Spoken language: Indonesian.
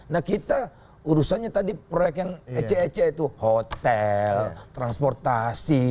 nah kita urusannya tadi proyek yang ece ece itu hotel transportasi